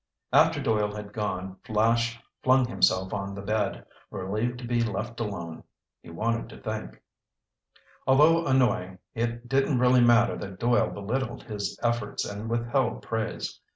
After Doyle had gone, Flash flung himself on the bed, relieved to be left alone. He wanted to think. Although annoying, it didn't really matter that Doyle belittled his efforts and withheld praise.